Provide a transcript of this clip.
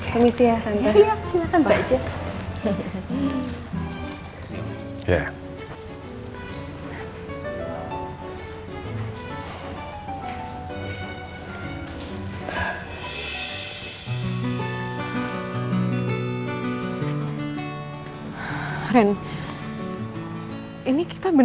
aku miss ya tante